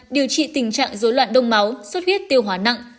điều trị tình trạng dối loạn đông máu xuất huyết tiêu hóa nặng